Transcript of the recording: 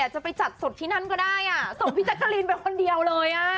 จะไปจัดสดที่นั่นก็ได้ส่งพี่แจ๊กกะลินไปคนเดียวเลย